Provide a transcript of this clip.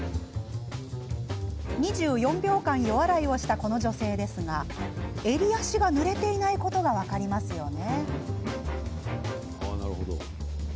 ２４秒間、予洗いをしたこの女性ですが襟足がぬれていないことが分かりますよね。